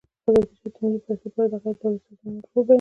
ازادي راډیو د مالي پالیسي په اړه د غیر دولتي سازمانونو رول بیان کړی.